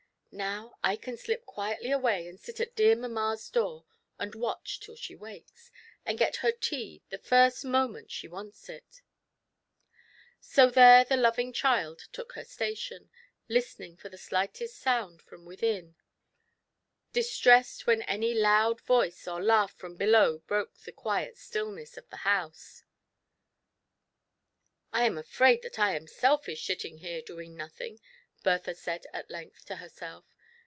"Now I can slip quietly away, and sit at dear mamma's door, and watch till mbtha *t sib MOTBra a iwob. she wakes, and get her tea the first moment she want« it" So there the loving child took her station, listening for the slightest sound from within, distressed when any 70. TRIALS AND TROUBLES. loud voice or laugh from below broke the quiet stillness of the house. "I am afraid that I am selfish, sitting here doing nothing," Bertha said at length to herself.